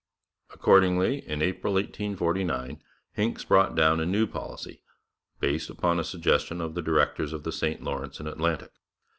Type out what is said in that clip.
Accordingly, in April 1849 Hincks brought down a new policy, based upon a suggestion of the directors of the St Lawrence and Atlantic.